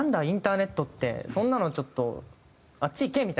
インターネットってそんなのちょっとあっちいけ！